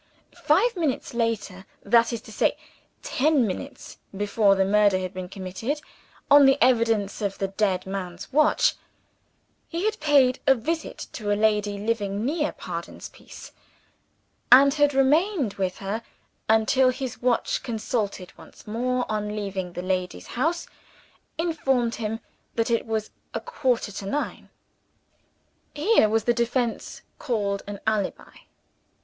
Five minutes later that is to say ten minutes before the murder had been committed, on the evidence of the dead man's watch he had paid a visit to a lady living near Pardon's Piece; and had remained with her, until his watch, consulted once more on leaving the lady's house, informed him that it was a quarter to nine. Here was the defense called an "alibi."